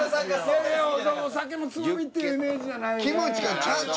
お酒のつまみっていうイメ―ジじゃないね。